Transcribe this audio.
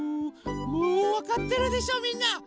もうわかってるでしょみんな。